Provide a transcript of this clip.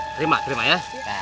terima terima ya